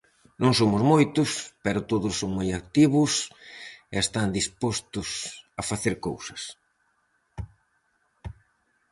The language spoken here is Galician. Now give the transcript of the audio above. Non somos moitos, pero todos son moi activos e están dispostos a facer cousas.